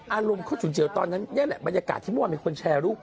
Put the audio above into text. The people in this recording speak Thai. อารมณ์เขาฉุนเฉียวตอนนั้นนี่แหละบรรยากาศที่เมื่อวานมีคนแชร์รูป